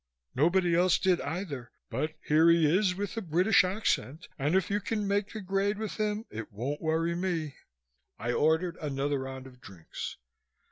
Nobody else did either but here he is with a British accent and if you can make the grade with him it won't worry me." I ordered another round of drinks.